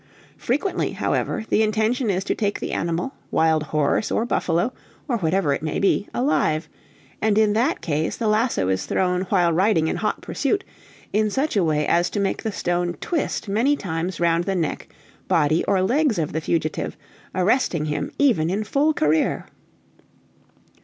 Frequently, however, the intention is to take the animal, wild horse, or buffalo, or whatever it may be, alive; and in that case, the lasso is thrown, while riding in hot pursuit, in such a way as to make the stone twist many times round the neck, body, or legs of the fugitive, arresting him even in full career."